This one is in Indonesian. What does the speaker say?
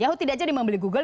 lalu tidak jadi membeli google